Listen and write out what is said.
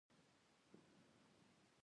زما د ټبر نوم ميټى دى